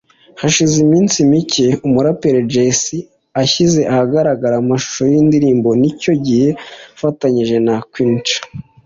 Hashize iminsi mike umuraperi Jay C ashyize ahagaragara amashusho y’indirimbo Nicyo Gihe afatanyije na Queen Cha